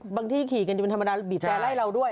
บางที่ขี่กันแบบธรรมดาที่ปลิบแต่ไล่เราด้วย